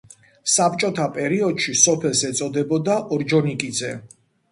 საბჭოთა პერიოდში სოფელს ეწოდებოდა ორჯონიკიძე.